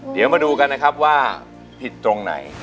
เดี๋ยวมาดูกันนะครับว่าผิดตรงไหน